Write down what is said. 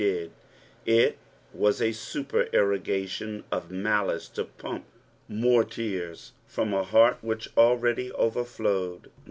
301 did — it was a supereroffation of malice to pump more tears from a heart trhicb alread; overflonecT.